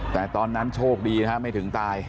แต่ตอนนั้นโชคดีนะฮะไม่ถึงตาย